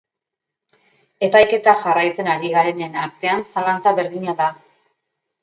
Epaiketa jarraitzen ari garenen artean zalantza berdina da.